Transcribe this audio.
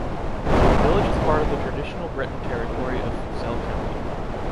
The village is part of the traditional Breton territory of Fisel County.